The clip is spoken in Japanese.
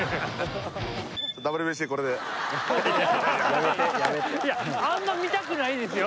もうさすがいやあんま見たくないですよ